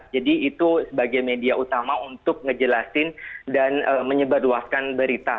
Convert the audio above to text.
jadi itu sebagai media utama untuk ngejelasin dan menyebar luaskan berita